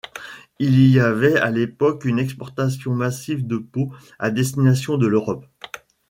Il y avait à l'époque une exportation massive de peaux à destination de l'Europe.